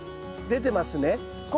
出てます。